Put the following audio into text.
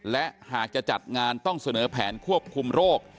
และหากจะจัดงานต้องเสนอแผนควบคุมโรค